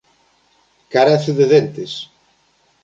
Carece de dentes.